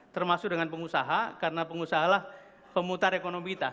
termasuk dengan pengusaha karena pengusahalah pemutar ekonomi kita